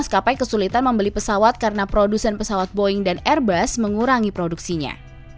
maskapai kesulitan membeli pesawat karena produsen pesawat boeing dan airbus mengurangi produksinya